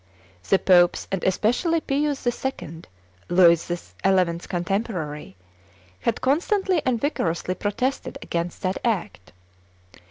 The popes, and especially Pius II., Louis XI.'s contemporary, had constantly and vigorously protested against that act.